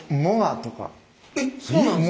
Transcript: えっそうなんですか？